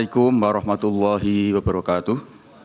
assalamu alaikum warahmatullahi wabarakatuh